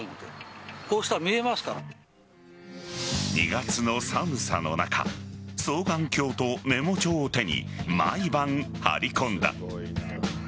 ２月の寒さの中双眼鏡とメモ帳を手に毎晩、張り込んだ。